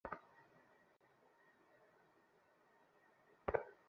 আজকের সভায় তাঁকে কিছুতেই উপস্থিত করতে পারলেম না।